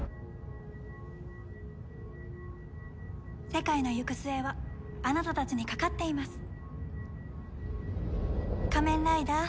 世界の行く末はあなたたちにかかっています仮面ライダー。